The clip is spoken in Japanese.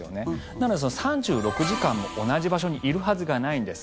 なので３６時間も同じ場所にいるはずがないんです。